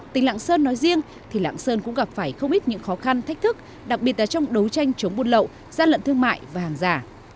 tỉnh lạng sơn nói riêng thì lạng sơn cũng gặp phải không ít những khó khăn thách thức đặc biệt là trong đấu tranh chống buôn lậu gian lận thương mại và hàng giả